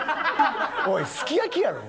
おいすき焼きやろ？